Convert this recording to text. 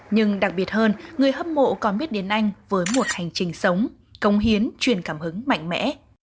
nhưng đặc biệt hơn người hâm mộ còn biết đến anh với một hành trình sống công hiến truyền cảm hứng mạnh mẽ